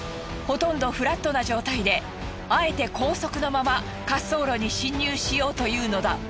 ほとんどフラットな状態であえて高速のまま滑走路に進入しようというのだ。